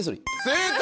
正解！